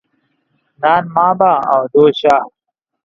نان ما به او دو شا.